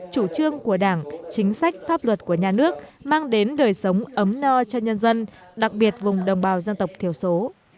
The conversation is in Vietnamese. chủ trương của đảng chính sách pháp luật của nhà nước mang đến đời sống ấm no cho nhân dân đặc biệt vùng đồng bào dân tộc thiểu số